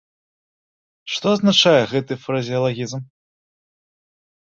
Што азначае гэты фразеалагізм?